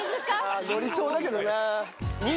のりそうだけどな。